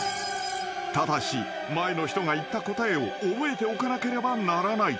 ［ただし前の人が言った答えを覚えておかなければならない］